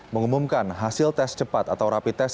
mengumumkan hasil tes cepat atau rapi tes